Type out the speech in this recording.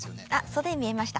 それ見えました。